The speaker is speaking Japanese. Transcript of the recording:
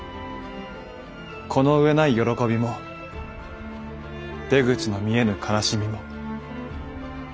この上ない喜びも出口の見えぬ悲しみも。